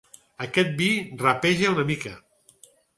Aquest vi rapeja una mica.